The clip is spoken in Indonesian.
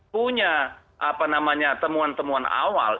punya temuan temuan awal